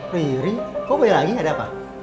ri ri kok balik lagi ada apa